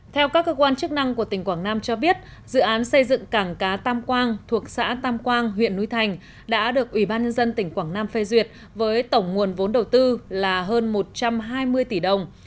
theo các cơ quan chức năng của tỉnh quảng nam cho biết dự án xây dựng cảng cá tam quang thuộc xã tam quang huyện núi thành đã được ủy ban nhân dân tỉnh quảng nam phê duyệt với tổng nguồn vốn đầu tư là hơn một trăm hai mươi tỷ đồng